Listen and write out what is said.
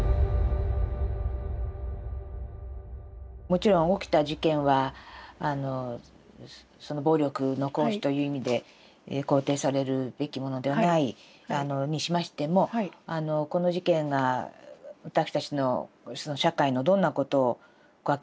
もちろん起きた事件は暴力の行使という意味で肯定されるべきものではないにしましてもこの事件が私たちの社会のどんなことを明らかにしたのかしないのか。